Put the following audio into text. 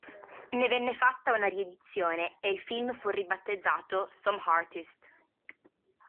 Ne venne fatta una riedizione e il film fu ribattezzato "Some Artist".